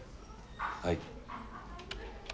はい。